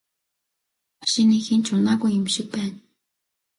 Машиныг хэн ч унаагүй юм шиг байна.